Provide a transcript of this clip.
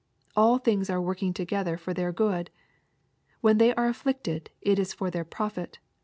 All things are working together for their good. When they are afflicted, it is for their profit.